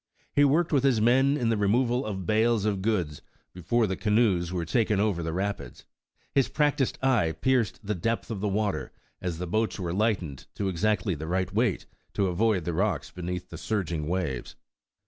He worked with his men in the re moval of bales of goods, before the canoes were taken over the rapids; his practiced eye pierced the depth of the water, as the boats were lightened to exactly the right weight to avoid the rocks beneath the surging waves.